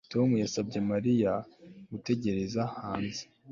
Tom yasabye Mariya gutegereza hanze